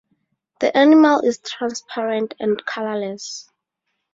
The animal is transparent and colourless.